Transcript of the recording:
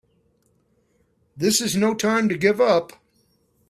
This is no time to give up!